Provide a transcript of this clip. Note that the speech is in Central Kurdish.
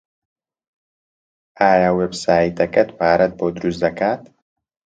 ئایا وێبسایتەکەت پارەت بۆ دروست دەکات؟